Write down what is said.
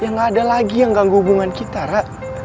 ya gak ada lagi yang ganggu hubungan kita rak